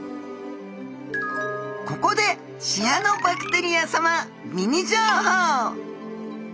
ここでシアノバクテリアさまミニ情報！